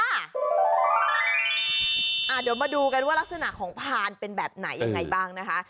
เดี๋ยวมาดูกันว่ารักษณะของพานเป็นแบบไหนยังไงบ้างนะคะ